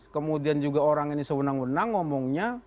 kemudian juga orang ini sewenang wenang ngomongnya